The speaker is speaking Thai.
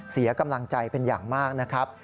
เสียกำลังใจเป็นอย่างมากนะครับ